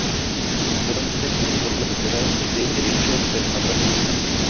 Posteriormente comenzó la carrera de Derecho, pero no la finalizó.